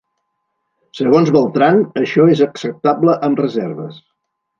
Segons Beltran, això és acceptable amb reserves.